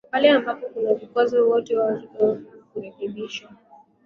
Pale ambapo kuna vikwazo watoe ushauri ili sheria ziweze kurekebishwa